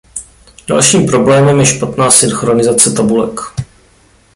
Dalším problémem je špatná synchronizace tabulek.